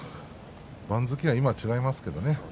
番付は今、違いますけどね。